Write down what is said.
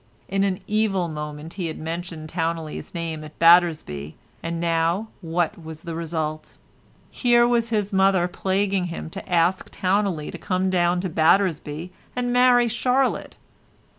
In an evil moment he had mentioned Towneley's name at Battersby, and now what was the result? Here was his mother plaguing him to ask Towneley to come down to Battersby and marry Charlotte.